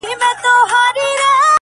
زما د زنده گۍ له هر يو درده سره مله وه~